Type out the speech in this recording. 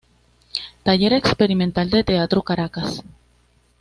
Taller Experimental de Teatro, Caracas.